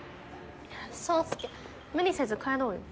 宗介無理せず帰ろうよ。